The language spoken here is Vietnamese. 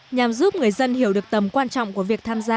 nhằm giúp người dân hiểu được tầm quan trọng của việc tham gia